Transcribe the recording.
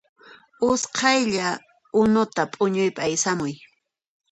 Usqhaylla unuta p'uñuypi aysamuy